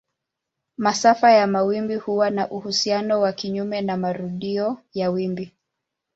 Masafa ya mawimbi huwa na uhusiano wa kinyume na marudio ya wimbi.